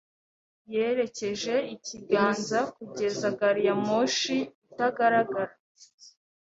Yerekeje ikiganza kugeza gari ya moshi itagaragara.